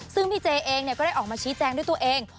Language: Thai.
ซึ่งพี่เจเองก็ได้ออกมาชี้แจงด้วยตัวเอง